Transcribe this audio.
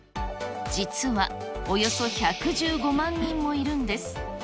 実は、およそ１１５万人もいるんです。